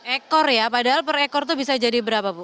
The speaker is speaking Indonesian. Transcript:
ekor ya padahal per ekor itu bisa jadi berapa bu